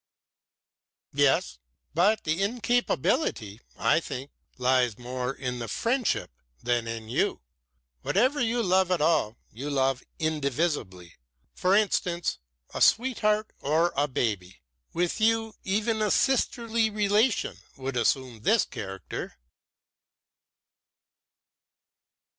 "Yes, but the incapability, I think, lies more in the friendship than in you. Whatever you love at all, you love indivisibly; for instance, a sweetheart or a baby. With you even a sisterly relation would assume this character."